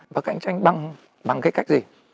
và cạnh tranh bằng cái cách gì